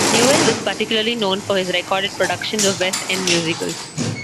Newell was particularly known for his recorded productions of West End musicals.